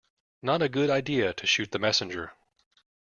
Not a good idea to shoot the messenger.